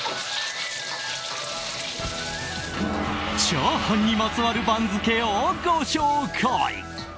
チャーハンにまつわる番付をご紹介！